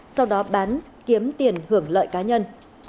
sau đó bán kiếm tiền hưởng lợi cá nhân